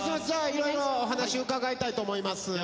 じゃあいろいろお話伺いたいと思います。